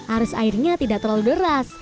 arus airnya tidak terlalu deras